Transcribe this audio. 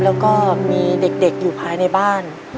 แล้วก็มีเด็กอยู่ภายในบ้าน